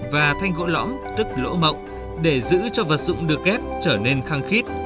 và thanh gỗ lõm tức lỗ mộng để giữ cho vật dụng được ghép trở nên khăng khít